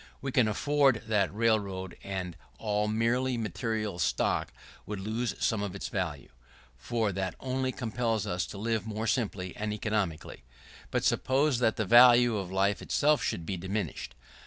We can afford that railroad and all merely material stock should lose some of its value, for that only compels us to live more simply and economically; but suppose that the value of life itself should be diminished!